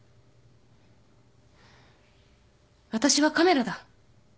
私はカメラだ